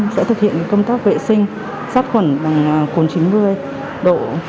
sẽ thực hiện công tác vệ sinh sát khuẩn bằng cồn chín mươi độ